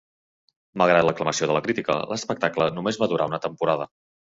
Malgrat l'aclamació de la crítica, l'espectacle només va durar una temporada.